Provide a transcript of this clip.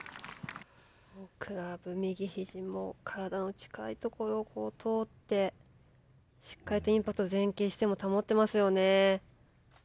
クラブ、右ひじも体の近いところを通ってしっかりとインパクト前傾姿勢も保ってますよね。